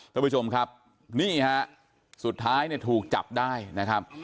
พระผู้ชมครับน่าสุดท้ายทุกจับได้นะครับ